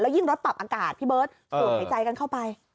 แล้วยิ่งรถปับอากาศพี่เบิร์ตถ่วงในใจกันเข้าไป